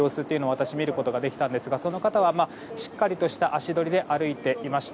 私は見ることができたんですがその方はしっかりとした足取りで歩いていました。